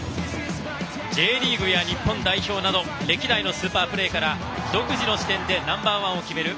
Ｊリーグや日本代表など歴代のスーパープレーから独自の視点でナンバー１を決める